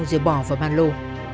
rồi bỏ vào ban lô